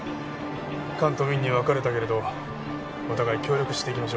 官と民に分かれたけれどお互い協力していきましょう。